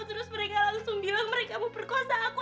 terus mereka langsung bilang mereka mau perkosa aku